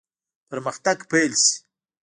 پرمختګ پیل شي.